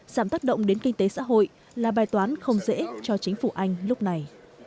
giảm tác động đến kinh tế xã hội là bài toán không dễ cho chính phủ anh lúc này